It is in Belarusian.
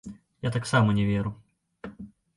Я таксама не веру.